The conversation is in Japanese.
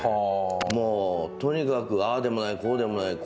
もうとにかくああでもない、こうでもない